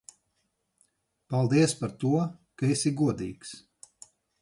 Paldies par to, ka esi godīgs.